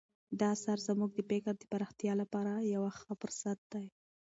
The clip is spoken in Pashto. دا اثر زموږ د فکر د پراختیا لپاره یو ښه فرصت دی.